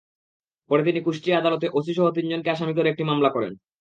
পরে তিনি কুষ্টিয়া আদালতে ওসিসহ তিনজনকে আসামি করে একটি মামলা করেন।